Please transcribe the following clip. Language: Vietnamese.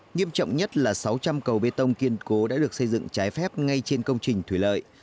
nghiêm trọng nhất là sáu trăm linh cầu bê tông kiên cố đã được xây dựng trái phép ngay trên công trình thủy lợi